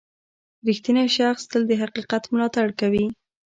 • رښتینی شخص تل د حقیقت ملاتړ کوي.